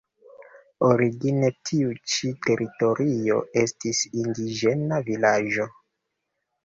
Origine tiu ĉi teritorio estis indiĝena vilaĝo.